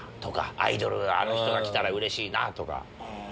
アイドルあの人が来たらうれしいな！とか。